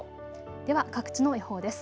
では各地の予報です。